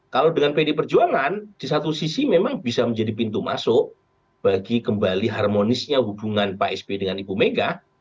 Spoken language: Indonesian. kalau dengan pd perjuangan di satu sisi memang bisa menjadi pintu masuk bagi kembali harmonisnya hubungan pak sp dengan ibu mega